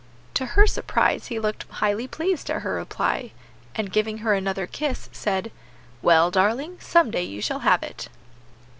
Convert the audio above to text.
To her surprise he looked highly pleased at her reply, and giving her another kiss, said, "Well, darling, some day you shall have it."